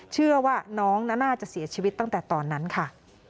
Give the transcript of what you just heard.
เชื่อว่าน้องน่าจะเสียชีวิตตั้งแต่ตอนนั้นค่ะ